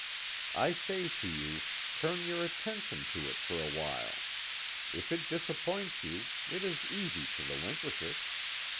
I say to you, turn your attention to it for a while. If it disappoint you, it is easy to relinquish it.